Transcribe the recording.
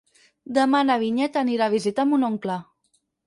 Demà na Vinyet anirà a visitar mon oncle.